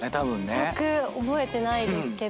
まったく覚えてないですけど。